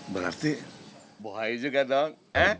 berarti bohai juga dong